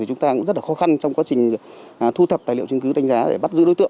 chúng ta cũng rất là khó khăn trong quá trình thu thập tài liệu chứng cứ đánh giá để bắt giữ đối tượng